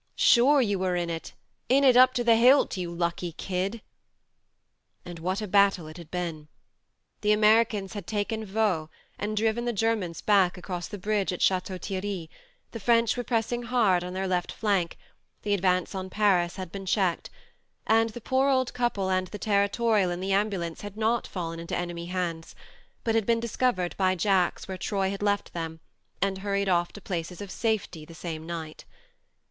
Sure you were in it in it up to the hilt, you lucky kid !" And what a battle it had been ! The Americans had taken Vaux and driven the Germans back across the bridge at Chateau Thierry, the French were pressing hard on their left flank, the advance on Paris had been checked and the poor old couple and the territorial in the ambulance had not fallen into enemy hands, but had been THE MARNE 135 discovered by Jacks where Troy had left them, and hurried off to places of safety the same night.